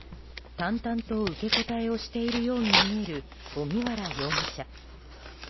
淡々と受け答えをしているように見える荻原容疑者。